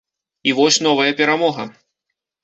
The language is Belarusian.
І вось новая перамога!